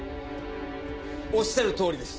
おっしゃるとおりです。